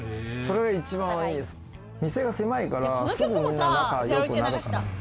店が狭いからすぐ、みんな仲良くなる。